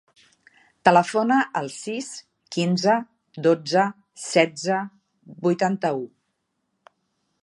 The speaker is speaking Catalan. Telefona al sis, quinze, dotze, setze, vuitanta-u.